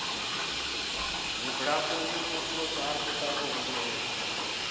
نيٚڀڙآ ڪو ايڪ اوپرو چآر ڦٽآ ڪو هونٚدو هي